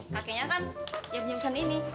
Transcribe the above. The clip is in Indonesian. kakenya kan dia punya usaha ini